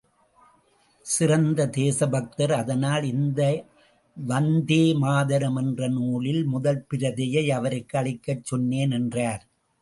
சிறந்த தேசபக்தர். அதனால் இந்த வந்தே மாதரம் என்ற நூலின் முதல் பிரதியை அவருக்கு அளிக்கச் சொன்னேன் என்றார்.